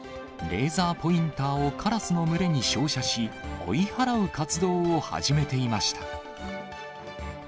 レーザーポインターをカラスの群れに照射し、追い払う活動を始めていました。